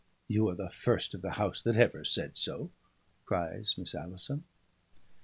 "You are the first of the house that ever said so," cries Miss Alison.